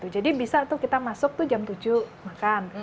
jadi bisa tuh kita masuk tuh jam tujuh makan